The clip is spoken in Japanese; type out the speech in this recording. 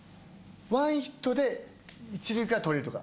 ワンヒットで１塁から取れるとか。